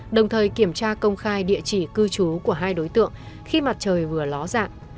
đồng thời kiểm tra công khai địa chỉ cư trú của hai đối tượng khi mặt trời vừa ló dạng